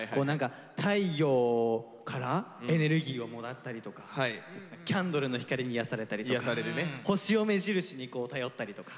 太陽からエネルギーをもらったりとかキャンドルの光に癒やされたりとか星を目印に頼ったりとか。